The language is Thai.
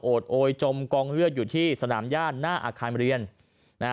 โอดโอยจมกองเลือดอยู่ที่สนามย่านหน้าอาคารเมือง